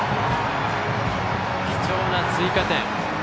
貴重な追加点。